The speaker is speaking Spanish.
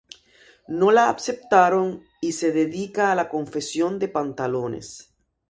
No la aceptaron, y se dedica a la confección de pantalones.